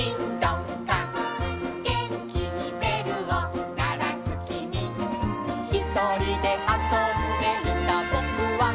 「げんきにべるをならすきみ」「ひとりであそんでいたぼくは」